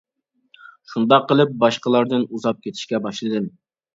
شۇنداق قىلىپ، باشقىلاردىن ئۇزاپ كېتىشكە باشلىدىم.